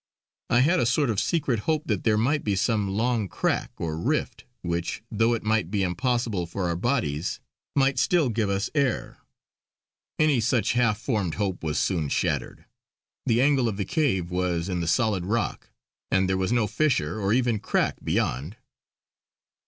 I had a sort of secret hope that there might be some long crack or rift which, though it might be impossible for our bodies, might still give us air. Any such half formed hope was soon shattered; the angle of the cave was in the solid rock, and there was no fissure or even crack beyond.